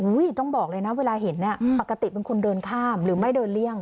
ต้องบอกเลยนะเวลาเห็นเนี่ยปกติเป็นคนเดินข้ามหรือไม่เดินเลี่ยง